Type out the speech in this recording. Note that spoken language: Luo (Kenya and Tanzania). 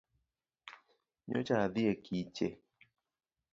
Nyocha adhi e kiche.